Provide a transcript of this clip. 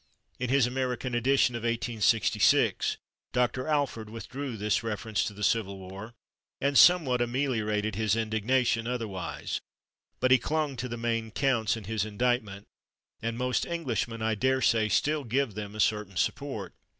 " In his American edition of 1866 Dr. Alford withdrew this reference to the Civil War and somewhat ameliorated his indignation otherwise, but he clung to the main counts in his indictment, and most Englishmen, I daresay, still give them a certain support.